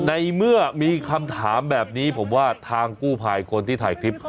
ในเมื่อมีคำถามแบบนี้ผมว่าทางกู้ภัยคนที่ถ่ายคลิป